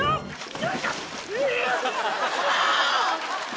よいしょ。